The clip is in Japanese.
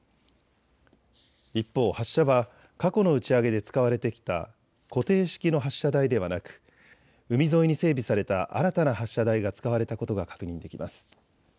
一方、発射は過去の打ち上げで使われてきた固定式の発射台ではなく海沿いに整備された新たな発射台が使われたことが確認できます。